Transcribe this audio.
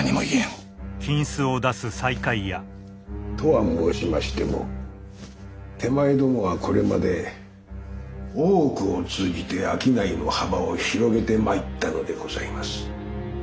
とは申しましても手前どもはこれまで大奥を通じて商いの幅を広げてまいったのでございます。